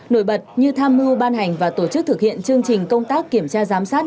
nổi bật như tham mưu ban hành và tổ chức thực hiện chương trình công tác kiểm tra giám sát